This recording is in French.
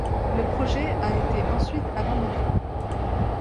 Le projet a été ensuite abandonné.